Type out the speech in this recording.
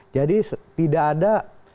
jadi tidak ada